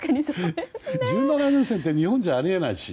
１７連戦って日本じゃあり得ないし